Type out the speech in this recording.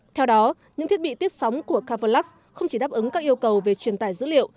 theo đó những thiết bị tiếp sóng của kavalax không chỉ đáp ứng các yêu cầu về truyền tải dữ liệu